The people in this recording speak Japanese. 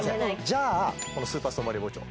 じゃあこのスーパーストーンバリア包丁